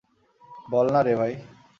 বলনা রে ভাই!